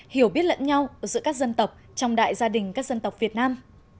hiểu biết lẫn nhau giữa các dân tộc trong đại gia đình các dân tộc việt nam